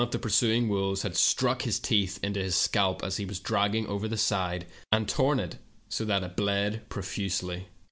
167 the pursuing wolves had struck his teeth into his scalp as he was dragging over the side, and torn it so that it bled profusely.